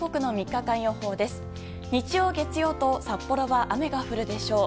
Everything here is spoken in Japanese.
日曜、月曜と札幌は雨が降るでしょう。